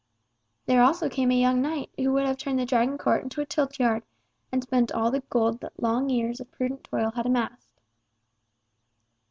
There also came a young knight who would have turned the Dragon court into a tilt yard, and spent all the gold that long years of prudent toil had amassed.